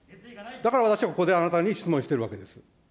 だから私はここで、あなたに質問してるわけです。